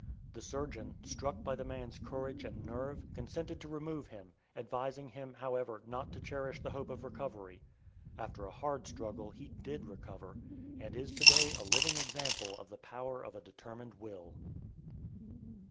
The surgeon, struck by the man's courage and nerve, consented to remove him, advising him, however, not to cherish the hope of recovery. After a hard struggle he did recover, and is to day a living example of the power of a determined will.